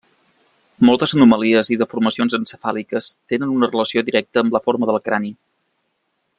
Moltes anomalies i deformacions encefàliques tenen una relació directa amb la forma del crani.